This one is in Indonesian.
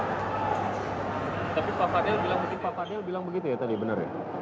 tapi pak fadel bilang begitu ya tadi benar ya